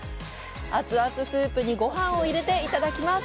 熱々スープにごはんを入れていただきます！